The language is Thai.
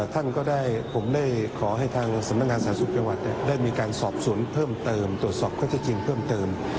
ท่านก็ได้ผมได้ขอให้ทางสำนักงานสาธารณสุขจังหวัดได้มีการสอบสวนเพิ่มเติมตรวจสอบข้อที่จริงเพิ่มเติม